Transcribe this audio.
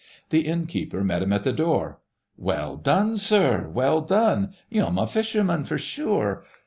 The inn keeper met him at the door: "Well done, sir! Well done! Yu'm a fisherman, for sure!